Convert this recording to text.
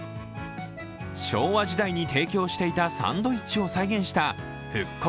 昭和時代に提供していたサンドイッチを再現した復刻！